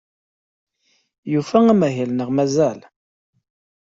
Yufa amahil neɣ mazal?